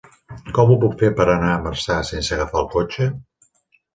Com ho puc fer per anar a Marçà sense agafar el cotxe?